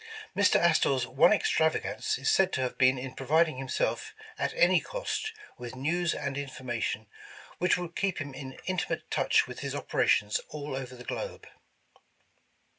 Mr. Astor's one extravegance is said to have been in providing himself, at any cost, with news and in formation which would keep him in intimate touch with his operations all over the globe.